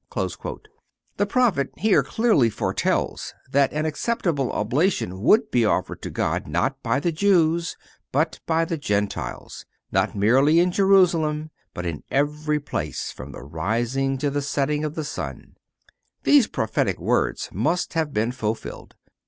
(396) The prophet here clearly foretells that an acceptable oblation would be offered to God not by Jews, but by Gentiles; not merely in Jerusalem, but in every place from the rising to the setting of the sun. These prophetic words must have been fulfilled.